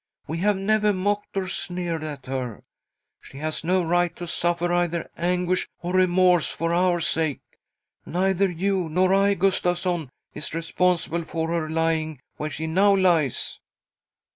We have never mocked or sneered at her. She has no right to suffer either anguish or remorse for our sake. Neither you nor I, Gustavsson, is responsible for her lying where she now lies."